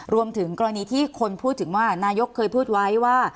รวมถึงกรณีที่คนพูดถึงว่านายกเคยพูดไว้ว่า